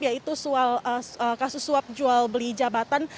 yaitu kasus suap jual beli jabatan